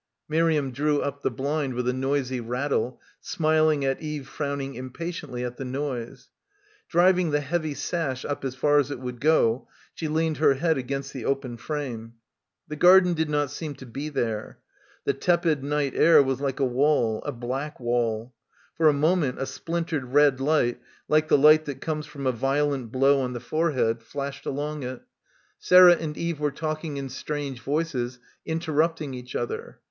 Miriam drew up the blind with a noisy rattle, smiling at Eve frowning impatiently at the noise. Driving the heavy sash up as far as it — 216 — BACKWATER would go, she leaned her head against the open frame. The garden did not seem to be there. The tepid night air was like a wall, a black wall. For a moment a splintered red light, like the light that comes from a violent blow on the forehead, flashed along it. Sarah and Eve were talking in strange voices, interrupting each other.